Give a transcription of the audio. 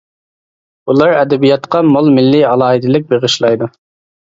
بۇلار ئەدەبىياتقا مول مىللىي ئالاھىدىلىك بېغىشلايدۇ.